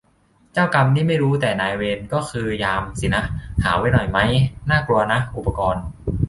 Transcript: เจ้ากรรม นี่ไม่รู้ แต่ นายเวร ก็คือ ยาม สินะ หาไว้หน่อยมั๊ย ? น่ากลัวนะ อุปกรณ์